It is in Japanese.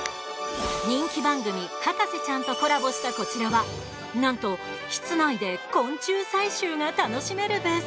人気番組『博士ちゃん』とコラボしたこちらはなんと室内で昆虫採集が楽しめるブース。